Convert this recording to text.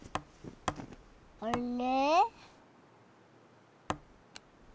あれ？